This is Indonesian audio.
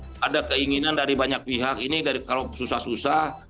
karena ada keinginan dari banyak pihak ini kalau susah susah